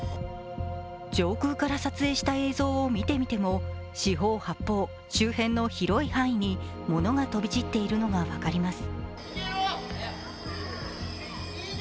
上空から撮影した映像を見てみても四方八方、周辺の広い範囲にものが飛び散っているのが分かります。